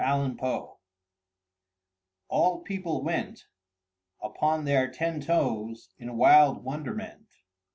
LIONIZING —— all people went Upon their ten toes in wild wonderment.